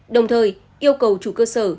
đồng thời yêu cầu chủ cơ sở